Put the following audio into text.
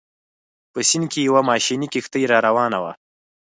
په سیند کې یوه ماشیني کښتۍ راروانه وه.